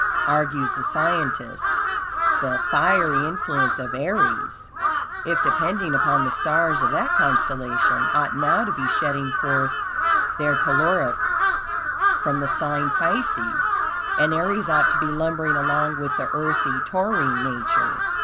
Argues the scientist: The "fiery influence of Aries," if depending upon the stars of that constellation, ought now to be shedding forth their caloric from the sign Pisces, and Aries ought to be lumbering along with the earthy Taurine nature.